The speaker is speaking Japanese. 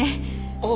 ああ。